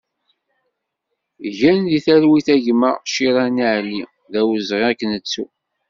Gen di talwit a gma Cirani Ali, d awezɣi ad k-nettu!